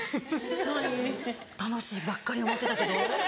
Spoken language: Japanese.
楽しいばっかりや思うてたけど。